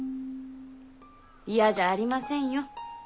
嫌じゃありませんよ。